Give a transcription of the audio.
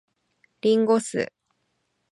林檎酢